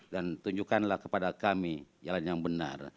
dan tunjukkanlah kepada kami jalan yang benar